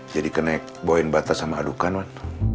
jadi kena bawain batas sama adukan